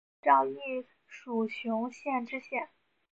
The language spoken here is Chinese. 后吴兆毅署雄县知县。